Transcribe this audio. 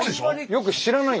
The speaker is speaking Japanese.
よく知らない。